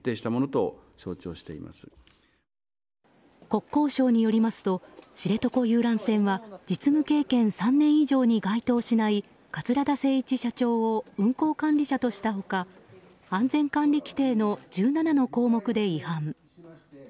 国交省によりますと知床遊覧船は実務経験３年以上に該当しない桂田精一社長を運航管理者とした他安全管理規程の１７の項目で違反。